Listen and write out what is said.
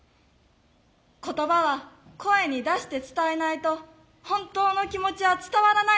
言葉は声に出して伝えないと本当の気持ちは伝わらないのです。